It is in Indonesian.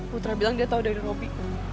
putra bilang dia tau dari robby